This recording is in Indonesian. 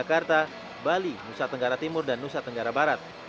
jakarta bali nusa tenggara timur dan nusa tenggara barat